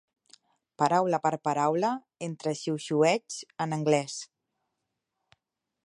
Paraula per paraula, entre xiuxiueigs en anglès.